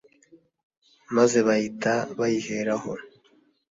’ maze bahita bayiheraho